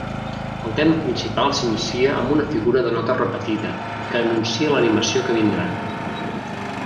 El tema principal s'inicia amb una figura de nota repetida, que anuncia l'animació que vindrà.